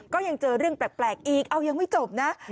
ก็ยังเจอเรื่องแปลกอีกเอายังไม่จบนะ